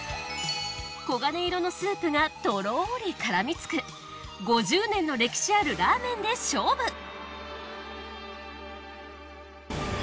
黄金色のスープがとろり絡みつく５０年の歴史あるラーメンで勝負！